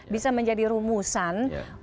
bisa menjadi rumusan